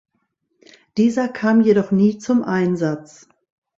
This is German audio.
Dieser kam jedoch nie zum Einsatz.